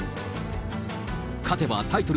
勝てばタイトル